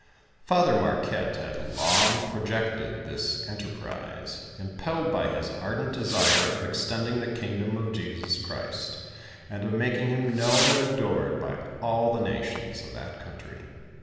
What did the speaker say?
FATHER Marquette had long piojiiited this enter prise, impelled by his ardent desire / extending the kingdom of Jesus Christ, and of inak) ng him known and adored by all the nations of that counti'i.